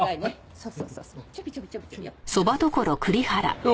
そうそうそうそう。